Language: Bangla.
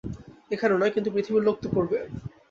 এখানে নয়, কিন্তু পৃথিবীর লোক তো পড়বে।